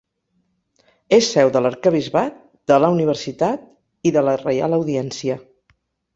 És seu de l'Arquebisbat, de la Universitat i de la Reial Audiència.